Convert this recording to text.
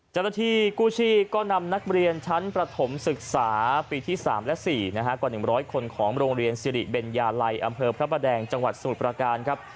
เจ้าหน้าที่กู้ชีพก็นำนักเรียนชั้นประถมศึกษาปีที่๓และ๔กว่า๑๐๐คนของโรงเรียนสิริเบญญาลัยอำเภอพระประแดงจังหวัดสมุทรประการครับ